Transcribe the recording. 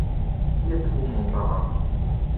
Qui êtes-vous, mon parrain?